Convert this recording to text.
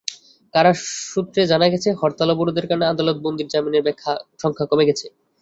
কারা সূত্রে জানা গেছে, হরতাল-অবরোধের কারণে আদালতে বন্দীর জামিনের সংখ্যা কমে গেছে।